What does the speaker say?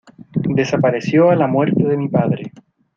desapareció a la muerte de mi padre.